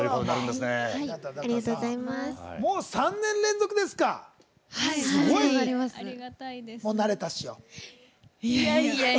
もう３年連続ですか。